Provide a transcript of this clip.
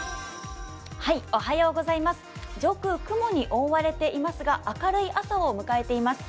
上空、雲に覆われていますが明るい朝を迎えています。